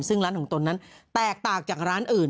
ซึ่งร้านของตนนั้นแตกต่างจากร้านอื่น